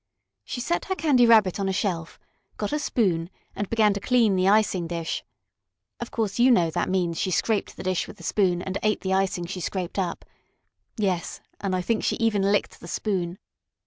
She set her Candy Rabbit on a shelf, got a spoon, and began to clean the icing dish. Of course you know that means she scraped the dish with the spoon and ate the icing she scraped up. Yes, and I think she even licked the spoon.